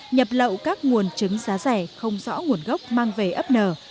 nhập lậu các nguồn chứng giá rẻ không rõ nguồn gốc mang về ấp nở